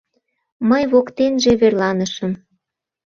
Мый воктенже верланышым.